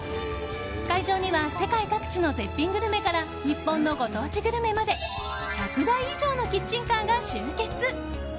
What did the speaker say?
会場には世界各地の絶品グルメから日本のご当地グルメまで１００台以上のキッチンカーが集結！